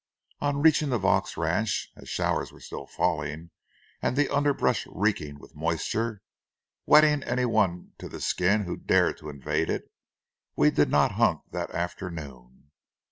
On reaching the Vaux ranch, as showers were still falling and the underbrush reeking with moisture, wetting any one to the skin who dared to invade it, we did not hunt that afternoon.